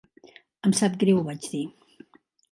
"Em sap greu", vaig dir.